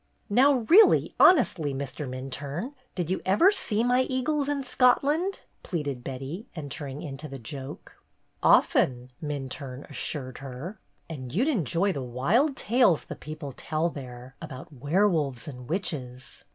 "Now really, honestly, Mr. Minturne, did you ever see my eagles in Scotland ?" pleaded Betty, entering into the joke. "Often!" Minturne assured her. "And you 'd enjoy the wild tales the people tell there, about werewolves and witches.